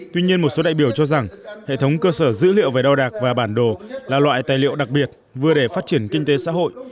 tuy nhiên một số đại biểu cho rằng hệ thống cơ sở dữ liệu về đo đạc và bản đồ là loại tài liệu đặc biệt vừa để phát triển kinh tế xã hội